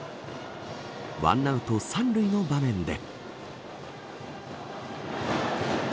１アウト３塁の場面で。